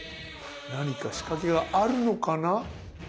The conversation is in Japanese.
何か仕掛けがあるのかな？